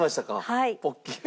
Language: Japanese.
はい。